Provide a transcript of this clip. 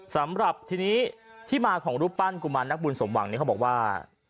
สำหรับทีนี้ที่มาของรูปปั้นกุมารนักบุญสมหวังเนี่ยเขาบอกว่า